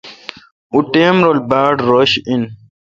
او ٹائم رل باڑ رش این۔